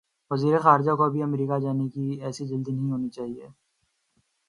وزیر خارجہ کو بھی امریکہ جانے کی ایسی جلدی نہیں ہونی چاہیے۔